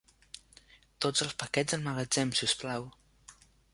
Tots els paquets al magatzem, si us plau.